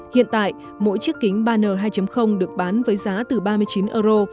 hiện tại mỗi chiếc kính banner hai được bán với giá từ ba mươi chín euro